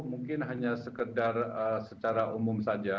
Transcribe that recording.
mungkin hanya sekedar secara umum saja